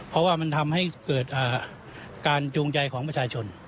เพราะว่ามันทำให้เกิดการจูงใจของประชาชน